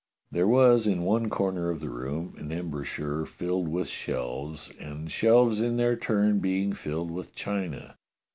There was in one corner of the room an embrasure filled with shelves, the shelves in their turn being filled with china.